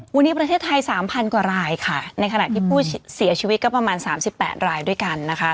วันนี้ประเทศไทย๓๐๐กว่ารายค่ะในขณะที่ผู้เสียชีวิตก็ประมาณ๓๘รายด้วยกันนะคะ